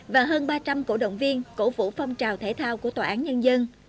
và hơn ba trăm linh cổ động viên cổ vũ phong trào thể thao của tòa án nhân dân